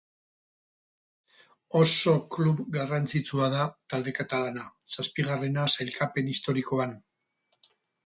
Oso klub garrantzitsua da talde katalana, zazpigarrena sailkapen historikoan.